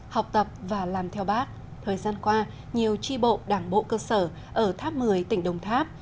học tập và làm theo bác thời gian qua nhiều tri bộ đảng bộ cơ sở ở tháp một mươi tỉnh đồng tháp